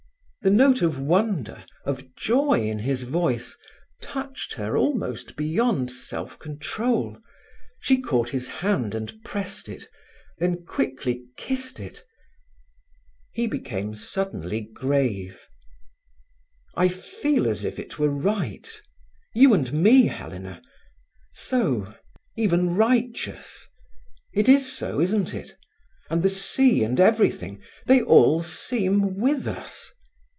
The note of wonder, of joy, in his voice touched her almost beyond self control. She caught his hand and pressed it; then quickly kissed it. He became suddenly grave. "I feel as if it were right—you and me, Helena—so, even righteous. It is so, isn't it? And the sea and everything, they all seem with us.